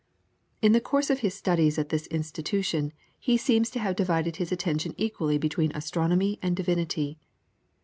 In the course of his studies at this institution he seems to have divided his attention equally between astronomy and divinity.